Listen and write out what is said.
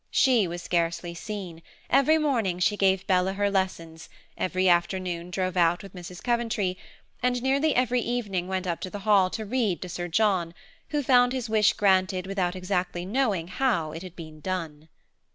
She was scarcely seen; every morning she gave Bella her lessons, every afternoon drove out with Mrs. Coventry, and nearly every evening went up to the Hall to read to Sir John, who found his wish granted without exactly knowing how it had been done.